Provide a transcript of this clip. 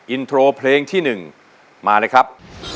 อินโทรเพลงที่๑มาเลยครับ